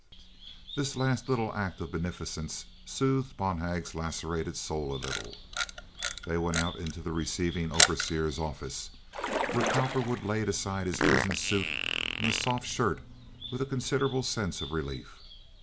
The last little act of beneficence soothed Bonhag's lacerated soul a little. They went out into the receiving overseer's office, where Cowperwood laid aside his prison suit and the soft shirt with a considerable sense of relief.